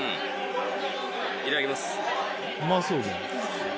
いただきます。